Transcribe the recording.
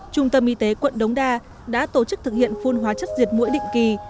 trung tâm y tế quận đống đa đã tổ chức thực hiện phun hóa chất diệt mũi định kỳ